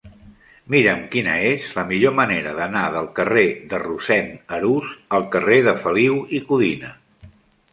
Mira'm quina és la millor manera d'anar del carrer de Rossend Arús al carrer de Feliu i Codina.